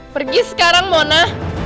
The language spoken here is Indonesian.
pergi sekarang mona